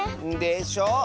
でしょ？